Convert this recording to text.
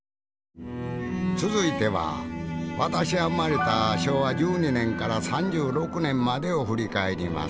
続いては私が生まれた昭和１２年から３６年までを振り返ります。